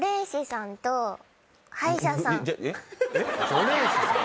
除霊師さん？